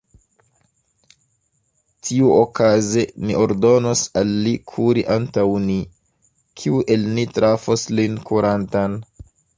Tiuokaze ni ordonos al li kuri antaŭ ni: kiu el ni trafos lin kurantan?